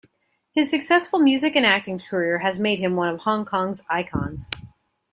His successful music and acting career has made him one of Hong Kong's icons.